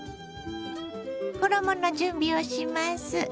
衣の準備をします。